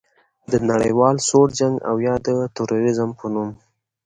د نړیوال سوړ جنګ او یا د تروریزم په نوم